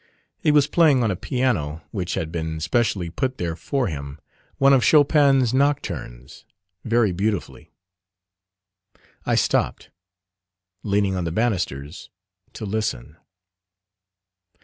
He was playing on a piano, which had been specially put there for him, one of Chopin's nocturnes, very beautifully: I stopped, leaning on the banisters to listen.